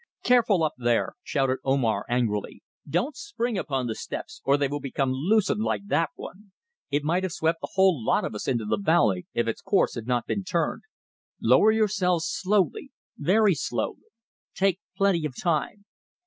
"Careful up there!" shouted Omar angrily. "Don't spring upon the steps, or they will become loosened like that one. It might have swept the whole lot of us into the valley if its course had not been turned. Lower yourselves slowly very slowly take plenty of time."